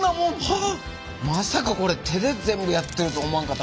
まさかこれ手で全部やってると思わんかった。